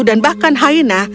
dan bahkan hyena